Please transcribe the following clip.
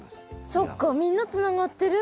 そっかみんなつながってる。